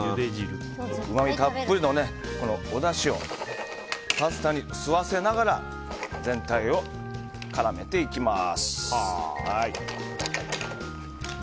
うまみたっぷりのおだしをパスタに吸わせながら全体を絡めていきます。